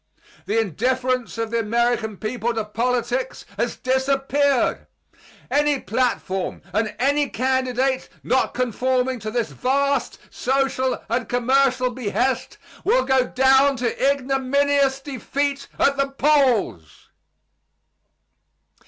The indifference of the American people to politics has disappeared. Any platform and any candidate not conforming to this vast social and commercial behest will go down to ignominious defeat at the polls.